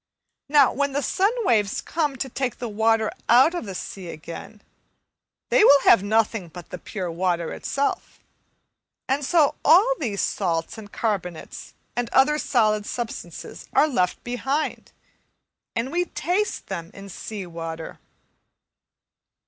Now, when the sun waves come to take the water out of the sea again, they will have nothing but the pure water itself; and so all these salts and carbonates and other solid substances are left behind, and we taste them in sea water.